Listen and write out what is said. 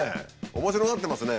面白がってますね